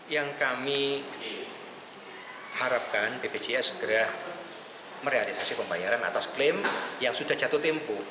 yang kami harapkan bpjs segera merealisasi pembayaran atas klaim yang sudah jatuh tempo